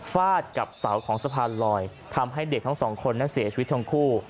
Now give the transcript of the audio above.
ฟาดกับเสาของสะพานลอยทำให้เด็กทั้งสองคนนั้นเสียชีวิตทั้งคู่